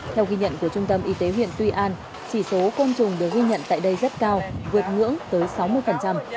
theo ghi nhận của trung tâm y tế huyện tuy an chỉ số côn trùng được ghi nhận tại đây rất cao vượt ngưỡng tới sáu mươi